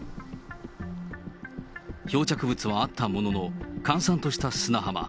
漂着物はあったものの、閑散とした砂浜。